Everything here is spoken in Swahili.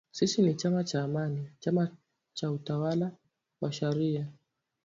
Sisi ni chama cha Amani, chama cha utawala wa sharia